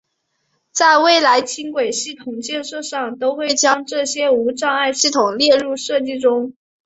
在未来轻轨系统建设上都会将这些无障碍系统列入设计中。